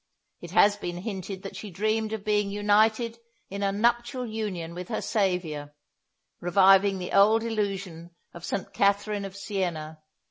It has been hinted that she dreamed of being united in a nuptial union with her Saviour, reviving the old illusion of St. Catherine of Siéna.